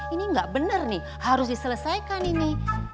ini gak bener nih harus diselesaikan ini